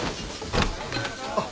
あっ。